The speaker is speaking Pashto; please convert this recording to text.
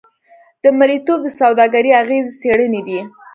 د مریتوب د سوداګرۍ اغېزې څېړلې دي.